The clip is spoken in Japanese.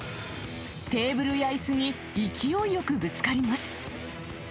テーブルやいすに勢いよくぶつかります。